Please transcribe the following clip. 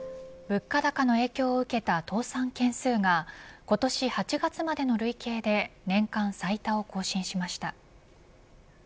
物価高の影響を受けた倒産件数が今年８月までの累計で年間最多を更新しました。